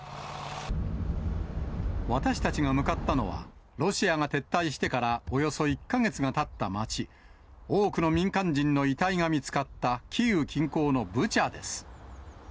私たちが向かったのは、ロシアが撤退してからおよそ１か月がたった町、多くの民間人の遺体が見つかった、キーウ近郊のブチャです。